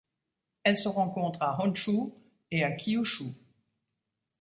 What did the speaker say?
Elle se rencontre à Honshū et à Kyūshū.